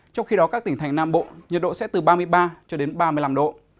trong khi đó các tỉnh thành nam bộ nhiệt độ sẽ từ ba mươi ba cho đến ba mươi năm độ